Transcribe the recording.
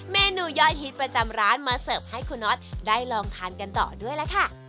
เมนูย่อยฮิตประจำร้านมาเสิร์ฟให้คุณน็อตได้ลองทานกันต่อด้วยล่ะค่ะ